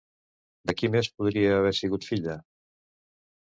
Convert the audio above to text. De qui més podria haver sigut filla?